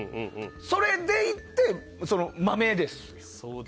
それでいって、豆です。